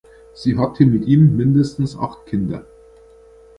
Sie hatte mit ihm mindestens acht Kinder.